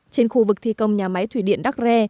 trên khu vực thi công nhà máy thủy điện đắc rè